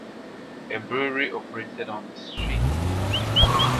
A brewery operated on the street.